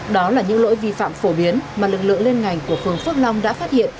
đó là những lỗi vi phạm phổ biến mà lực lượng lên ngành của phường phước long đã phát hiện